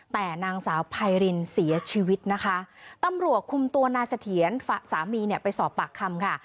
แต่นางสาวไพรินเสียชีวิตนะคะตำรวจคุมตัวนายเสถียรสามีเนี่ยไปสอบปากคำค่ะ